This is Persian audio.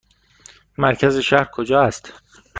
مرکز شهر کجا است؟